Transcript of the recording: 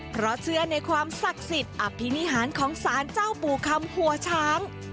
เพราะเชื่อในความศักดิ์สิทธิ์อภินิหารของสารเจ้าปู่คำหัวช้าง